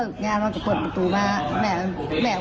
กินว่าจะอยู่บ้านห้า